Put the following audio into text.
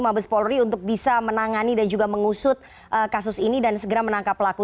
mabes polri untuk bisa menangani dan juga mengusut kasus ini dan segera menangkap pelaku